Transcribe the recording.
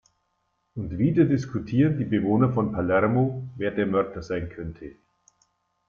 Und wieder diskutieren die Bewohner von Palermo, wer der Mörder sein könnte.